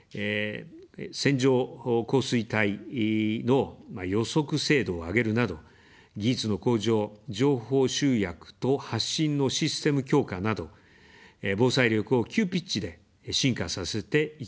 線状降水帯の予測精度を上げるなど、技術の向上、情報集約と発信のシステム強化など、防災力を急ピッチで進化させていきます。